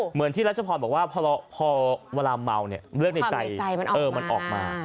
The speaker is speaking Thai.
เหมือนที่รัชพรบอกว่าพอเวลาเมาเนี่ยเรื่องในใจมันออกมา